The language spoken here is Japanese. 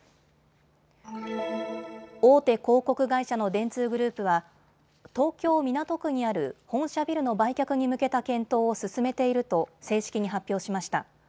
大手広告会社の電通グループは東京港区にある本社ビルの売却に向けた検討を進めていると正式に発表しました。